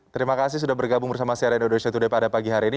terima kasih sudah bergabung bersama siaran indonesia today pada pagi hari ini